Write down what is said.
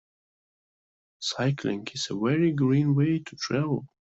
Cycling is a very green way to travel